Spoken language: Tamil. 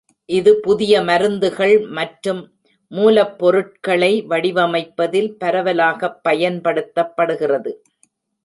இது புதிய மருந்துகள் மற்றும் மூலப்பொருட்களை வடிவமைப்பதில் பரவலாகப் பயன்படுத்தப்படுகிறது.